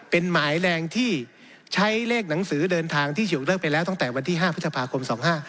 เป็นหมายแรงที่ใช้เลขหนังสือเดินทางที่ถูกเลิกไปแล้วตั้งแต่วันที่๕พฤษภาคม๒๕๖